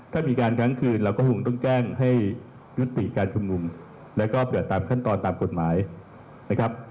ถ้ามีการค้างคืนเราก็คงต้องแจ้งให้ยุติการชุมนุมแล้วก็เปิดตามขั้นตอนตามกฎหมายนะครับ